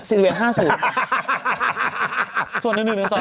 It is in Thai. ส่วนหนึ่ง๑๒๓ส่วนหนึ่ง๑๒๓